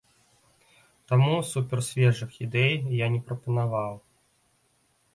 Таму супер-свежых ідэй я не прапанаваў.